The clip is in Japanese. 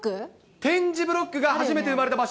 点字ブロックが初めて生まれた場所？